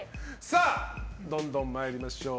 どんどん参りましょう。